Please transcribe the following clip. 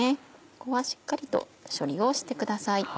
ここはしっかりと処理をしてください。